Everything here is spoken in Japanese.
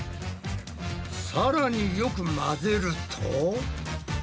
さらによく混ぜると。